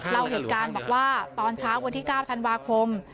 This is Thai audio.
เล่าเหตุการณ์บอกว่าตอนเช้าวันที่๙ธันวาคม